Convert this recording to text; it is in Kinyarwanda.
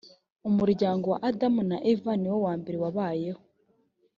umuryango wa adamu na eva ni wo wa mbere wabayeho